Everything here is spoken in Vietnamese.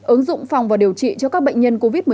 ứng dụng phòng và điều trị cho các bệnh nhân covid một mươi chín